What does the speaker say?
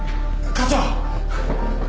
課長！